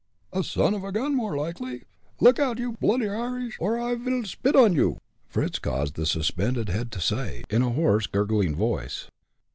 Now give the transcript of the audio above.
"A son off a gun, more likely. Look out, you bloody Irish, or I vil spit on you!" Fritz caused the suspended head to say, in a hoarse, gurgling voice.